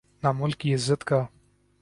نہ ملک کی عزت کا۔